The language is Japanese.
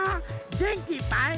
げんきいっぱい！